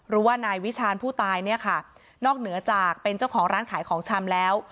รู้ว่านายวิชาญผู้ตายเนี่ยค่ะนอกเหนือจากเป็นเจ้าของร้านขายของชำแล้ว